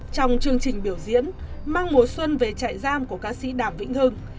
trong chương trình biểu diễn mang mùa xuân về trại giam của ca sĩ đàm vĩnh hưng